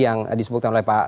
yang disebutkan oleh pak